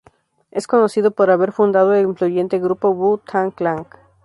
Es conocido por haber fundado el influyente grupo Wu-Tang Clan.